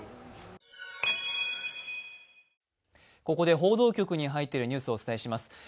ここで報道局に入っているニュースをお伝えします。